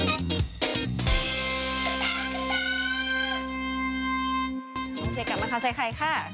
น้องเจ๊กลับมาทันใส่ใครค่ะ